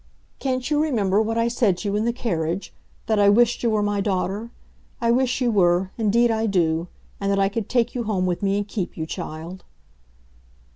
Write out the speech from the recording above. "Can't you remember what I said to you in the carriage that I wished you were my daughter. I wish you were, indeed I do, and that I could take you home with me and keep you, child."